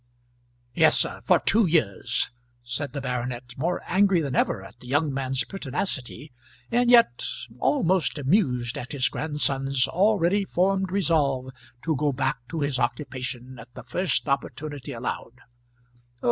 "Yes, sir; for two years," said the baronet, more angry than ever at the young man's pertinacity, and yet almost amused at his grandson's already formed resolve to go back to his occupation at the first opportunity allowed.